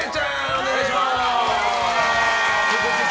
お願いします。